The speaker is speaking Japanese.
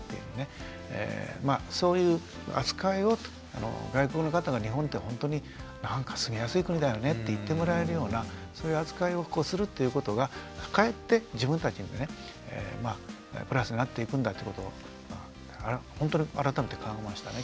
そういう扱いを外国の方が日本ってほんとになんか住みやすい国だよねって言ってもらえるようなそういう扱いをするっていうことがかえって自分たちにねプラスになっていくんだっていうことをほんとに改めて考えましたね